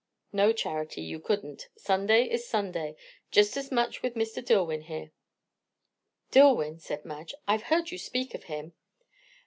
"No, Charity, you couldn't. Sunday is Sunday, just as much with Mr. Dillwyn here." "Dillwyn!" said Madge. "I've heard you speak of him."